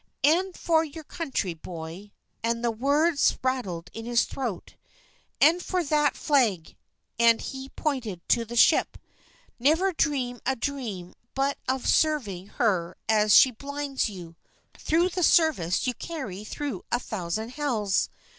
And for your country, boy," and the words rattled in his throat, "and for that flag," and he pointed to the ship, "never dream a dream but of serving her as she bids you, though the service carry you through a thousand hells.